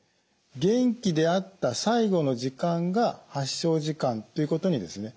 「元気であった最後の時間」が発症時間ということに定義されてます。